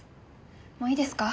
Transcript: もういいですか？